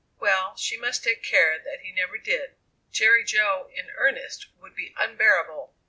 Well, she must take care that he never did. Jerry Jo in earnest would be unbearable.